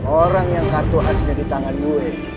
orang yang kartu khasnya di tangan murid